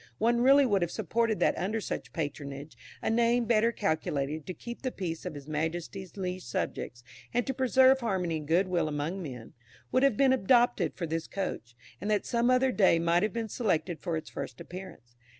One really would have supposed that under such patronage a name better calculated to keep the peace of his Majesty's liege subjects, and to preserve harmony and good will among men, would have been adopted for this coach, and that some other day might have been selected for its first appearance.